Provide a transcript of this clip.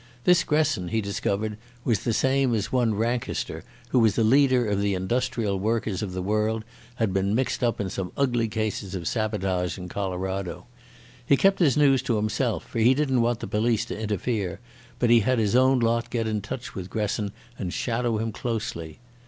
This Gresson he discovered was the same as one Wrankester, who as a leader of the Industrial Workers of the World had been mixed up in some ugly cases of sabotage in Colorado. He kept his news to himself, for he didn't want the police to interfere, but he had his own lot get into touch with Gresson and shadow him closely.